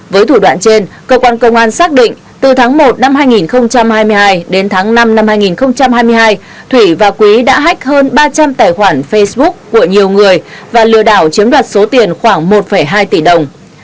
với thủ đoạn trên cơ quan công an xác định từ tháng một năm hai nghìn hai mươi hai đến tháng năm năm hai nghìn hai mươi hai thủy và quý đã hách hơn ba trăm linh tài khoản facebook của nhiều người và lừa đảo chiếm đoạt số tiền khoảng một hai tỷ đồng